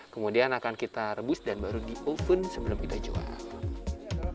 kemudian akan kita rebus dan baru di oven sebelum kita jual